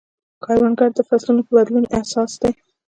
کروندګر د فصلونو په بدلون حساس دی